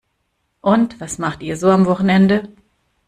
Und was macht ihr so am Wochenende?